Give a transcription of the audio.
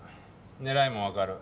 狙いもわかる。